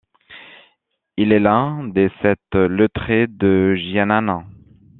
Il est l'un des Sept Lettrés de Jian'an.